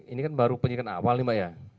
ini kan baru penyidikan awal nih mbak ya